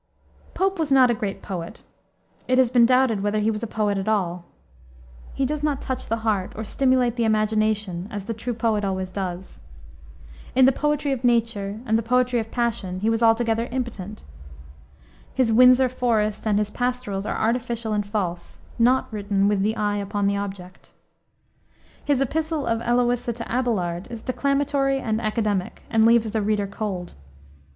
Pope was not a great poet; it has been doubted whether he was a poet at all. He does not touch the heart, or stimulate the imagination, as the true poet always does. In the poetry of nature, and the poetry of passion, he was altogether impotent. His Windsor Forest and his Pastorals are artificial and false, not written with "the eye upon the object." His epistle of Eloisa to Abelard is declamatory and academic, and leaves the reader cold.